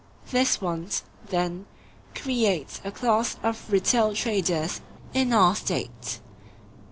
This want, then, creates a class of retail traders in our State.